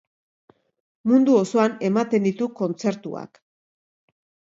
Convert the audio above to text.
Mundu osoan ematen ditu kontzertuak.